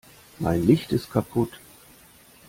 Mein Licht ist kaputt.